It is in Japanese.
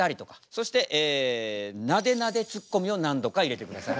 そしてなでなでツッコミを何度か入れてください。